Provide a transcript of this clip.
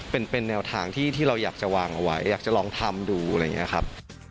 เป็นแนวทางที่เราอยากจะวางเอาไว้อยากจะลองทำดูอะไรอย่างนี้ครับ